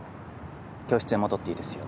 教室へ戻っていいですよ。